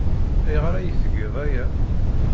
Ayɣer ay tgiḍ aya?